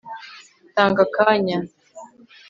tanga akanya